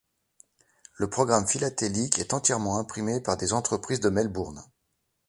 Le programme philatélique est entièrement imprimé par des entreprises de Melbourne.